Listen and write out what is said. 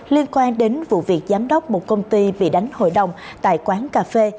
liên quan đến vụ việc giám đốc một công ty bị đánh hội đồng tại quán cà phê